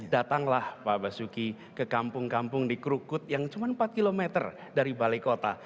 datanglah pak basuki ke kampung kampung di krukut yang cuma empat km dari balai kota